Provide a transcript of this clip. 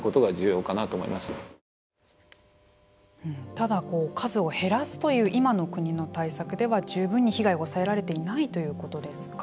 ただ、数を減らすという今の国の対策では十分に被害を抑えられていないということですか。